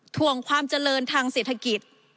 ถ่วงความเจริญทางเศรษฐกิจ